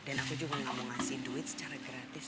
dan aku juga gak mau ngasih duit secara gratis